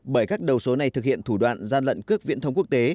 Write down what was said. bởi các đầu số này thực hiện thủ đoạn gian lận cước viễn thông quốc tế